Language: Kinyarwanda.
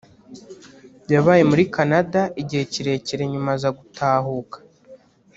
yabaye muri Canada igihe kirekire nyuma aza gutahuka